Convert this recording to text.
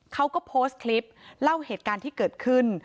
เขาก็โพสต์คลิปเล่าเหตุการณ์ที่เกิดขึ้น